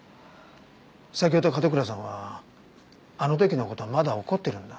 先ほど門倉さんは「あの時の事まだ怒ってるんだ」